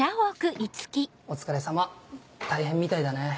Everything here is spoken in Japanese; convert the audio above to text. お疲れさま大変みたいだね。